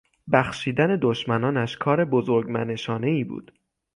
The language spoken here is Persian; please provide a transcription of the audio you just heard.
بخشیدن دشمنانش کار بزرگ منشانهای بود.